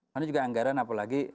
nah ini juga anggaran apalagi